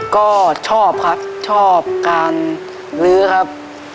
ก็ชอบครับชอบการลื้อครับ